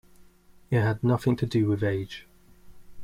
It had nothing to do with age.